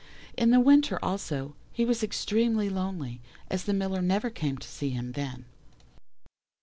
In the winter, also, he was extremely lonely, as the Miller never came to see him then.